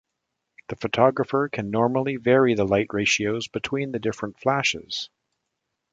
The photographer can normally vary the light ratios between the different flashes.